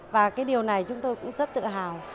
và cái điều này chúng tôi cũng rất tự hào